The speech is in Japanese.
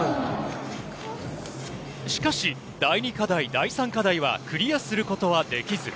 しかし第２課題、第３課題はクリアすることができず。